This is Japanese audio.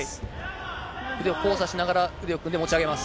腕を交差しながら、腕を組んで持ち上げます。